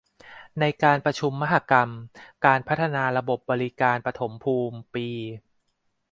ในการประชุมมหกรรม การพัฒนาระบบบริการปฐมภูมิ ปี